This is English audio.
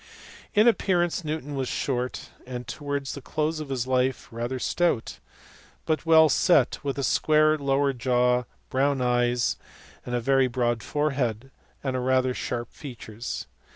In appearance Newton was short, and towards the close of his life rather stout, but well set, with a square lower jaw, brown eyes, a very broad forehead, and rather sharp features.